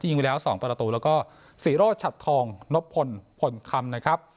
ยิงไปแล้ว๒ประตูแล้วก็ศรีโรชัดทองนบพลพลคำนะครับ